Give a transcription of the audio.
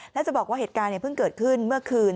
และจะบอกว่าเหตุการณ์เพิ่งเกิดขึ้นเมื่อคืน